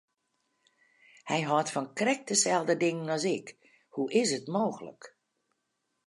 Hy hâldt fan krekt deselde dingen as ik, hoe is it mooglik!